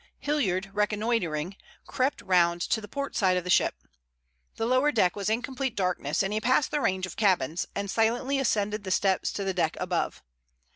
Hilliard, reconnoitering, crept round to the port side of the ship. The lower deck was in complete darkness, and he passed the range of cabins and silently ascended the steps to the deck above.